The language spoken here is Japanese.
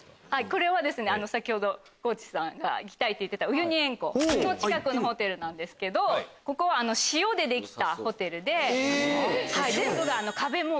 これは先ほど地さんが行きたいって言ってたウユニ塩湖の近くのホテルなんですけどここは塩でできたホテルで。